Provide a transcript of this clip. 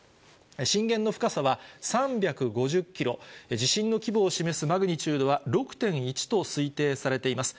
震源の深さは３５０キロ、地震の規模を示すマグニチュードは６．１と推定されています。